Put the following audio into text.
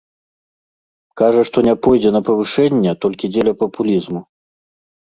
Кажа, што не пойдзе на павышэнне толькі дзеля папулізму.